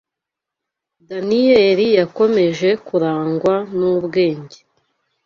Daniyeli yakomeje kurangwa n’ubwenge